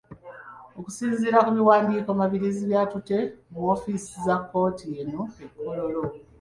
Okusinziira ku biwandiiko Mabirizi byatutte mu woofiisi za kkooti eno e Kololo.